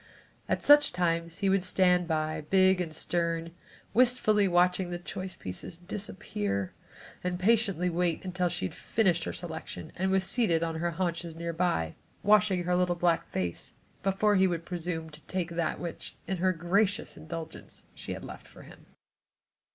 At such times he would stand by, big and stern, wistfully watching the choice pieces disappear, and patiently wait until she had finished her selection and was seated on her haunches near by, washing her little black face, before he would presume to take that which, in her gracious indulgence, she had left for him.